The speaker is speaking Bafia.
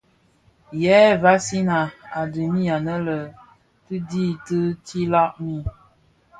Yë vansina a dhemi annë tii dhi bitilag mii,